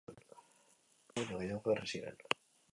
Lau hektarea baino gehiago erre ziren.